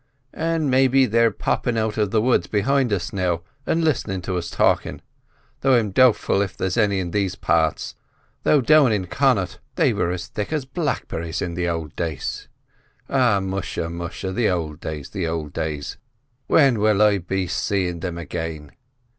An' maybe they're poppin' out of the wood behint us now, an' listenin' to us talkin'; though I'm doubtful if there's any in these parts, though down in Connaught they were as thick as blackberries in the ould days. O musha! musha! the ould days, the ould days! when will I be seein' thim again?